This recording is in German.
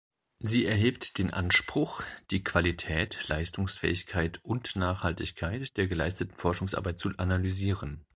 Sie erhebt den Anspruch, die Qualität, Leistungsfähigkeit und Nachhaltigkeit der geleisteten Forschungsarbeit zu analysieren.